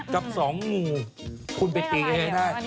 กับ๒หมูคุณไปตีเลยนะ